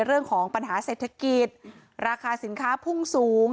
เรื่องของปัญหาเศรษฐกิจราคาสินค้าพุ่งสูง